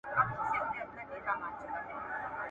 نه په غړپ مي نشه راغله